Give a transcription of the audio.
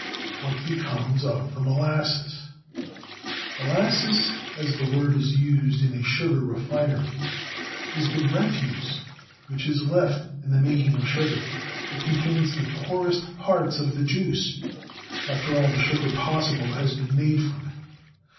What becomes of the molasses ? Molasses, as the word is used in a sugar refinery, is the refuse which is left in the making of sugar. It contains the poorest parts of the juice after all the sugar possible has been made from it.